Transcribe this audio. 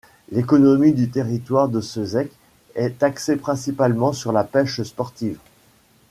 L'économie du territoire de ce Zec est axée principalement sur la pêche sportive.